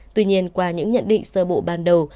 tuy nhiên qua những nhận định sơ bộ ban đầu